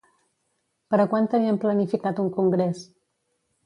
Per a quan tenien planificat un congrés?